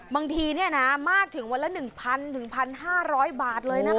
บางทีมากถึงวันละ๑๐๐๑๕๐๐บาทเลยนะคะ